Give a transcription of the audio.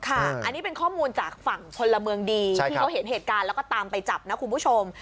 อันนี้เป็นข้อมูลจากฝั่งพลเมืองดีที่เขาเห็นเหตุการณ์แล้วก็ตามไปจับนะคุณผู้ชม